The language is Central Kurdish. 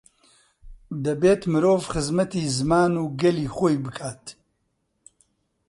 دەبێت مرۆڤ خزمەتی زمان و گەلی خۆی بکات.